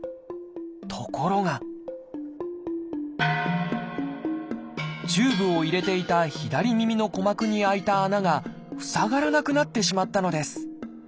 ところがチューブを入れていた左耳の鼓膜に開いた穴が塞がらなくなってしまったのです。